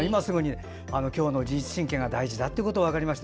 今日は自律神経が大事だということが分かりました。